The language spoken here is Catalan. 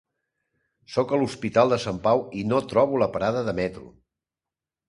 Sóc a l'Hospital de Sant Pau i no trobo la parada de metro!